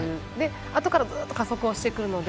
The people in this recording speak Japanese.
あとからずっと加速をしてくるので。